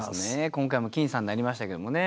今回も僅差になりましたけれどもね